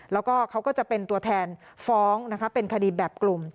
แล้วก็เขาก็จะเป็นตัวแทนฟ้องนะคะเป็นคดีแบบกลุ่ม